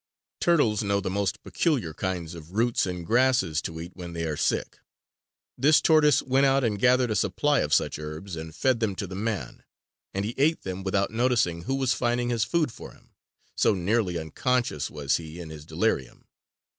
Turtles know the most peculiar kinds of roots and grasses to eat when they are sick. This tortoise went out and gathered a supply of such herbs and fed them to the man; and he ate them without noticing who was finding his food for him, so nearly unconscious was he in his delirium.